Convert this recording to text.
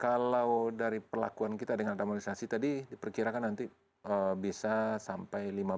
kalau dari pelakuan kita dengan aktualisasi tadi diperkirakan nanti bisa sampai lima belas tahun